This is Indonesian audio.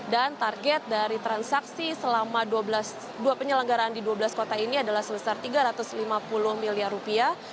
dan target dari transaksi selama dua belas penyelenggaraan di dua belas kota ini adalah sebesar tiga ratus lima puluh miliar rupiah